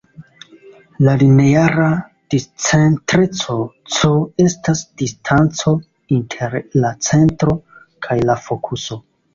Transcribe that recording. La lineara discentreco "c" estas distanco inter la centro kaj la fokuso.